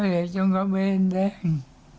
เอ้ยจงกระเบนแข็ง